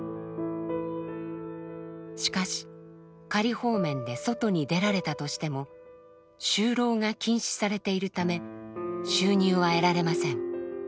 しかし「仮放免」で外に出られたとしても就労が禁止されているため収入は得られません。